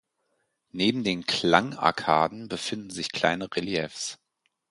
Neben den Klangarkaden befinden sich kleine Reliefs.